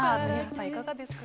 いかがでしたか。